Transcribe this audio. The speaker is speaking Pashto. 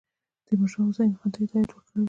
تیمورشاه حسین خان ته هدایت ورکړی وو.